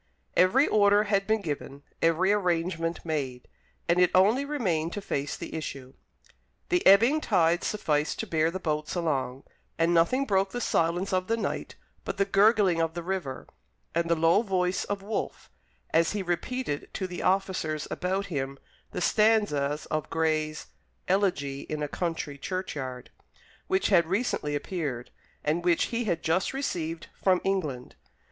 Every order had been given, every arrangement made, and it only remained to face the issue. The ebbing tide sufficed to bear the boats along, and nothing broke the silence of the night but the gurgling of the river, and the low voice of Wolfe, as he repeated to the officers about him the stanzas of Gray's "Elegy in a Country Churchyard," which had recently appeared, and which he had just received from England.